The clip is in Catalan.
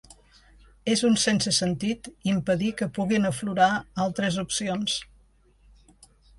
És un sense sentit impedir que puguin aflorar altres opcions.